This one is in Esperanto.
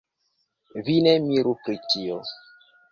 Vi ne miru pri tio.